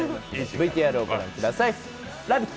ＶＴＲ御覧ください。